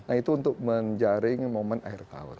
nah itu untuk menjaring momen akhir tahun